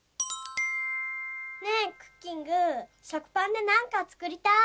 ねえクッキングしょくパンでなんかつくりたい！